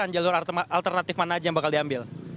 jalur alternatif mana aja yang bakal diambil